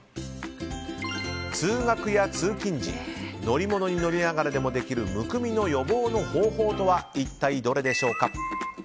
通学や通勤時乗り物に乗りながらでもできるむくみの予防の方法とは一体どれでしょうか。